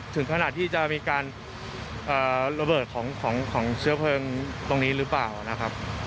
ถึงขนาดที่จะมีการระเบิดของเชื้อเพลิงตรงนี้หรือเปล่านะครับ